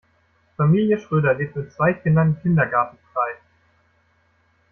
Familie Schröder lebt mit zwei Kindern Kindergartenfrei.